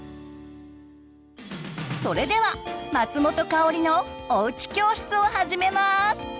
それでは松本薫の「おうち教室」を始めます。